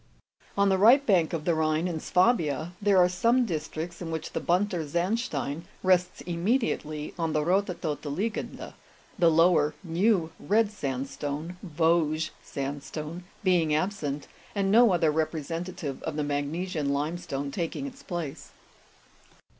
On the right bank of the Rhine, in Swabia, there are some dis tricts in which the bunter sandstein rests immediately on the rothe todte liegende, the lower new red sandstone (Vosges sandstone) being absent, and no other representative of the magnesian lime stone taking its place.